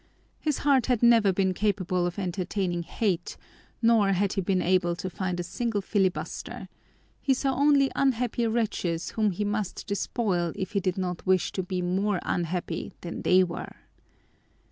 His heart had never been capable of entertaining hate nor had he been able to find a single filibuster; he saw only unhappy wretches whom he must despoil if he did not wish to be more unhappy than they were.